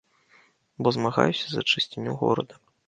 Бо змагаюся за чысціню горада.